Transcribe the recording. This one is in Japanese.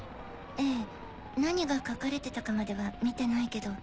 ええ何が書かれてたかまでは見てないけど。